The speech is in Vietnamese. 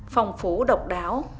phong phú độc đáo